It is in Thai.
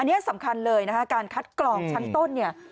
อันนี้สำคัญเลยนะคะการคัดกรองชั้นต้นเนี่ย